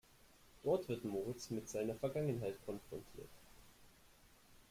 Dort wird Moritz mit seiner Vergangenheit konfrontiert.